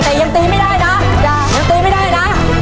แต่ยังตีไม่ได้นะจ้ะยังตีไม่ได้นะ